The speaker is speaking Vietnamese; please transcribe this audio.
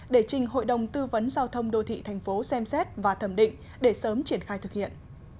để trình hội đồng tư vấn giao thông đô thị thành phố xem xét và thẩm định để sớm triển khai thực hiện